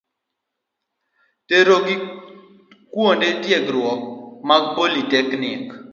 A. Terogi kuonde tiegruok mag politeknik.